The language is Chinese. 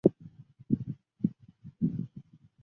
我快到了，你再等一下。